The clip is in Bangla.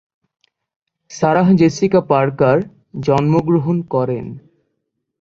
সারাহ জেসিকা পার্কার জন্মগ্রহণ করেন।